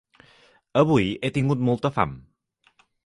Avui he tingut molta fam.